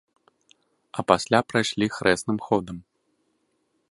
А пасля прайшлі хрэсным ходам.